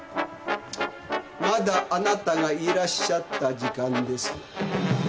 まだあなたがいらっしゃった時間です。